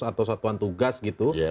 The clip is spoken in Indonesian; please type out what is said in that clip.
atau satuan tugas gitu